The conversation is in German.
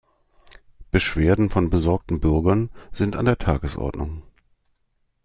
Beschwerden von besorgten Bürgern sind an der Tagesordnung.